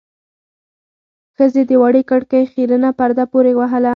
ښځې د وړې کړکۍ خيرنه پرده پورې وهله.